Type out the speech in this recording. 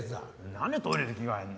なんでトイレで着替えるの？